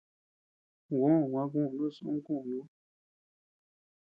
Juó gua kunus, un kunú.